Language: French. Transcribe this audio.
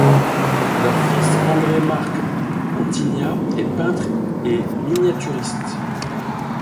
Leur fils, André-Marc Antigna, est peintre et miniaturiste.